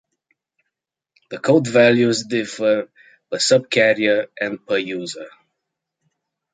The code values differ per subcarrier and per user.